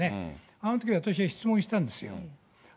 あのとき私は質問したんですよ。